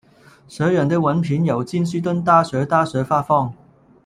学院的文凭由金斯顿大学大学发放。